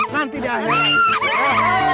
nanti di akhiran